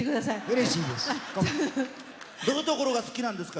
うれしいです。